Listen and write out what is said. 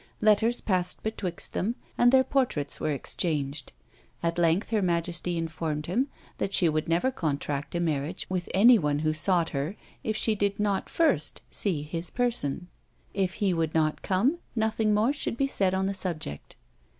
Letters passed betwixt them, and their portraits were exchanged. At length her majesty informed him, that she would never contract a marriage with any one who sought her, if she did not first see his person. If he would not come, nothing more should be said on the subject.